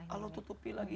allah tutupi lagi